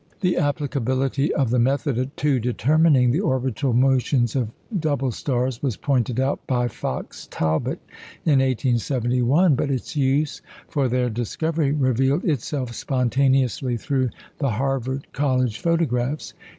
The applicability of the method to determining the orbital motions of double stars was pointed out by Fox Talbot in 1871; but its use for their discovery revealed itself spontaneously through the Harvard College photographs.